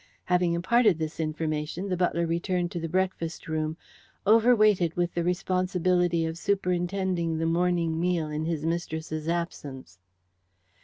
Having imparted this information the butler returned to the breakfast room, overweighted with the responsibility of superintending the morning meal in his mistress's absence.